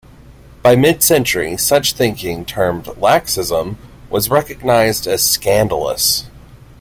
By mid-century, such thinking, termed Laxism, was recognized as scandalous.